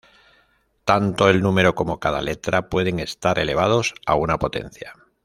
Tanto el número como cada letra pueden estar elevados a una potencia.